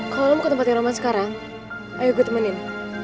kalau lo mau ke tempatnya roman sekarang ayo gue temenin